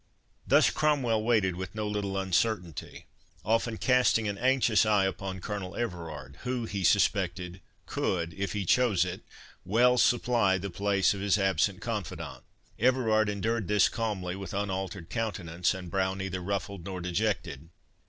Thus Cromwell waited with no little uncertainty, often casting an anxious eye upon Colonel Everard, who, he suspected, could, if he chose it, well supply the place of his absent confidant. Everard endured this calmly, with unaltered countenance, and brow neither ruffled nor dejected.